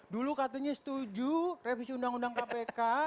dulu katanya setuju revisi undang undang kpk